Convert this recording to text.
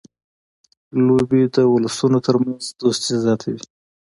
لوبې د اولسونو ترمنځ دوستي زیاتوي.